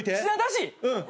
うん。